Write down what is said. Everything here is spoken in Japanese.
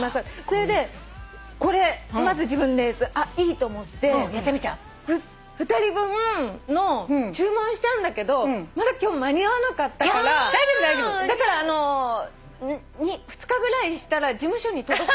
それでこれまず自分あっいいと思って２人分の注文したんだけど今日間に合わなかったからだから２日ぐらいしたら事務所に届くと。